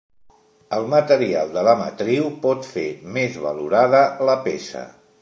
El material de la matriu pot fer més valorada la peça.